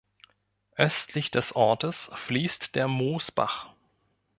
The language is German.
Östlich des Ortes fließt der Moosbach.